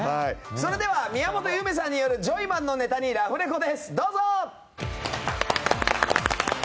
それでは宮本侑芽さんによるジョイマンのネタにラフレコです、どうぞ！